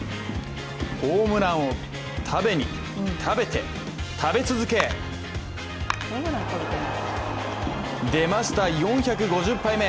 ホームランを食べに食べて、食べ続け出ました、４５０杯目！